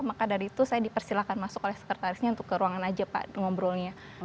maka dari itu saya dipersilakan masuk oleh sekretarisnya untuk ke ruangan aja pak ngobrolnya